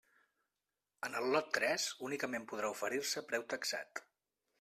En el lot tres únicament podrà oferir-se preu taxat.